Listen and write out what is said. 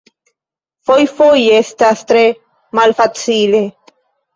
Fojfoje estas tre malfacile.